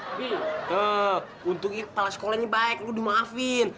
abi untuk kepala sekolah ini baik lo dimaafin